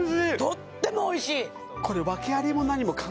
とってもおいしい！